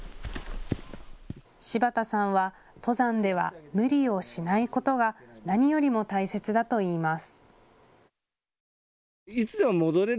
芝田さんは登山では無理をしないことが何よりも大切だといいます。